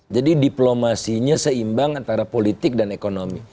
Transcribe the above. jadi diplomasinya seimbang antara politik dan ekonomi